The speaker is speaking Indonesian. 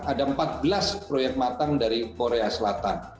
ada empat belas proyek matang dari korea selatan